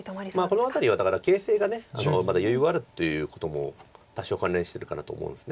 この辺りはだから形勢がまだ余裕があるということも多少関連してるかなと思うんです。